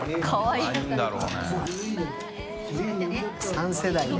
３世代で。